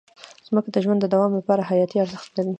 مځکه د ژوند د دوام لپاره حیاتي ارزښت لري.